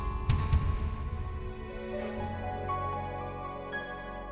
aku tak mau ada dymi di lemari